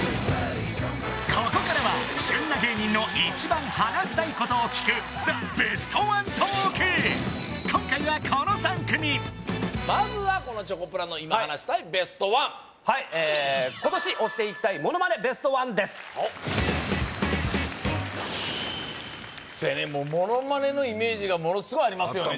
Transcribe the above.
ここからは旬な芸人の一番話したいことを聞く今回はこの３組まずはこのチョコプラの今話したいベストワンはいそやねモノマネのイメージがものすごいありますよね